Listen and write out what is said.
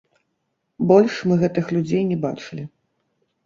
Больш мы гэтых людзей не бачылі.